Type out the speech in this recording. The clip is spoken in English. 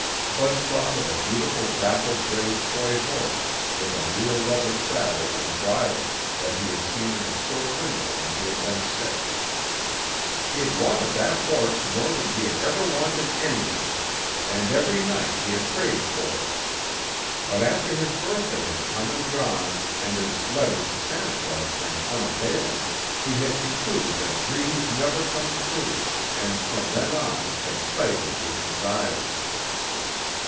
Bud thought of a beautiful dapple gray toy horse with a real leather saddle and bridle that he had seen in a store window when he had been six. He had wanted that horse more than he had ever wanted anything and every night he had prayed for it. But after his birthday had come and gone and his letters to Santa Claus been unavailing, he had concluded that dreams never come true and from then on had stifled his desires.